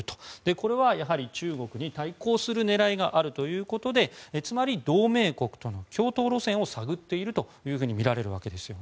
これは、やはり中国に対抗する狙いがあるということでつまり、同盟国との共闘路線を探っているとみられるわけです。